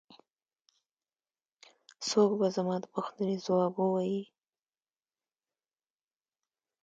څوک به زما د پوښتنې ځواب ووايي.